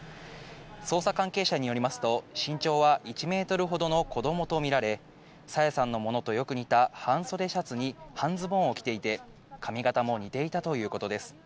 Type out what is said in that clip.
捜査関係者によりますと身長は１メートルほどの子供とみられ、朝芽さんのものとよく似た半袖シャツに半ズボンを着ていて、髪形も似ていたということです。